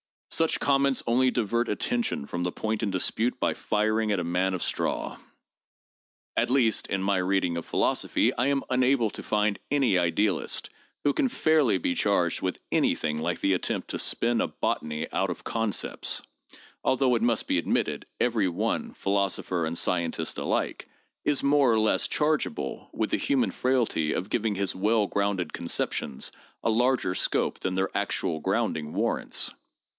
Such comments only divert attention from the point in dispute by firing at a man of straw. At least, in my reading of philosophy, I am unable to find any idealist who can fairly be charged with anything like the attempt to spin a botany out of concepts, although it must be admitted, every one, philosopher and scientist alike, is more or less chargeable with the human frailty of giving his well grounded conceptions a larger scope than their actual grounding warrants.